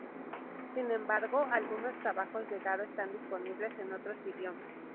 Sin embargo, algunos trabajos de Garo están disponibles en otros idiomas.